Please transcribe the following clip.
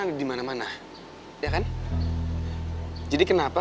aku ingin jelasin ke kamu